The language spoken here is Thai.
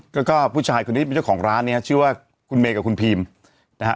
ก็ผู้ชายคนนี้เป็นเจ้าของร้านเนี่ยชื่อว่าคุณเมย์กับคุณพีมนะฮะ